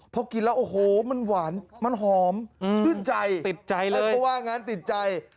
เพราะกินแล้วโอ้โหมันหวานมันหอมชื่นใจแต่ก็ว่างั้นติดใจ